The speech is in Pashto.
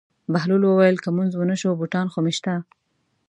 بهلول وویل: که لمونځ ونه شو بوټان خو مې شته.